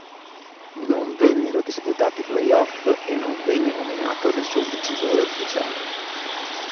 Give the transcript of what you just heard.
Non vennero disputati play-off e non venne nominato nessun vincitore ufficiale.